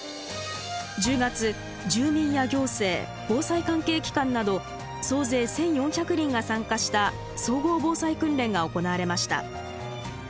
１０月住民や行政防災関係機関など総勢１，４００人が参加した総合防災訓練が行われました。